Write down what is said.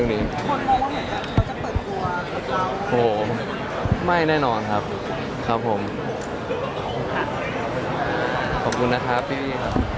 โหไม่แน่นอนครับขอบคุณนะครับพี่